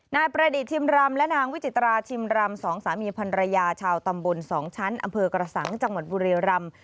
นายประดิษฐิมรำและนางวิจิตราชิมรำสองสามีพันรยาชาวตำบล๒ชั้นอำเภอกระสังจังหวัดบุรียรำ